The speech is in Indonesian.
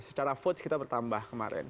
secara vote kita bertambah kemarin